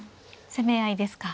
攻め合いですか。